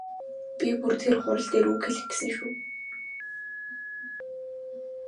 Би бүр тэр хурал дээр үг хэлэх гэсэн шүү.